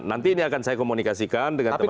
nanti ini akan saya komunikasikan dengan teman teman